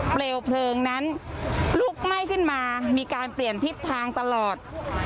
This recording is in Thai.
เปลวเพลิงนั้นลุกไหม้ขึ้นมามีการเปลี่ยนทิศทางตลอด